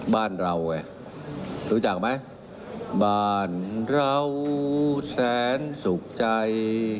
บ้านเราไงรู้จักไหมบ้านเราแสนสุขใจ